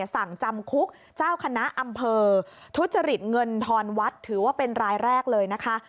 สั่งจำคุกเจ้าคณะอำเภอทุจริตเงินทอนวัดถือว่าเป็นรายแรกเลยนะคะ